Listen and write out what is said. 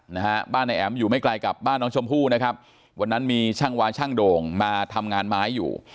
นะฮะบ้านนายแอ๋มอยู่ไม่ไกลกับบ้านน้องชมพู่นะครับวันนั้นมีช่างวาช่างโด่งมาทำงานไม้อยู่